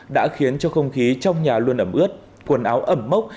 đã khiến cho không khí trong nhà luôn ẩm ướt quần áo ẩm mốc